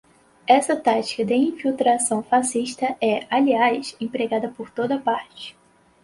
Essa tática de infiltração fascista é, aliás, empregada por toda parte